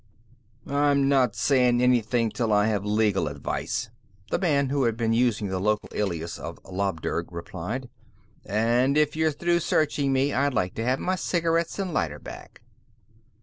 "I'm not saying anything till I have legal advice," the man who had been using the local alias of Labdurg replied. "And if you're through searching me, I'd like to have my cigarettes and lighter back."